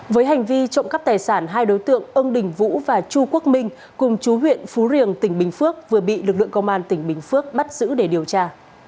với hành vi trộm cắp tài sản hai đối tượng ông đình vũ và chu quốc minh cùng chú huyện phú riềng tỉnh bình phước vừa bị lực lượng công an tỉnh bình phước bắt giữ để điều tra